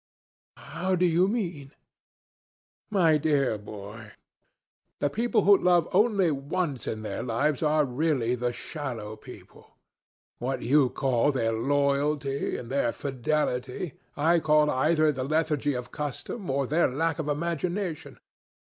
"How do you mean?" "My dear boy, the people who love only once in their lives are really the shallow people. What they call their loyalty, and their fidelity, I call either the lethargy of custom or their lack of imagination.